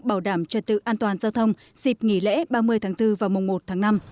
bảo đảm trật tự an toàn giao thông dịp nghỉ lễ ba mươi tháng bốn và mùng một tháng năm